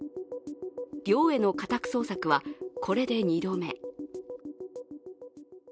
寮への家宅捜索はこれで２度目。